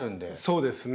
そうですね。